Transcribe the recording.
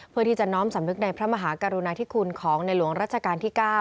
เพื่อที่จะน้อมสำนึกในพระมหากรุณาธิคุณของในหลวงรัชกาลที่๙